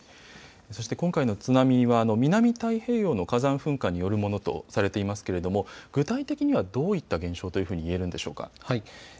そして今回の津波は南太平洋の火山噴火によるものとされていますけれども、具体的にはどういった現象というふうにいえるんでしょうか。